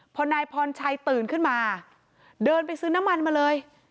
พอนายพรชัยตื่นขึ้นมาเดินไปซื้อน้ำมันมาเลย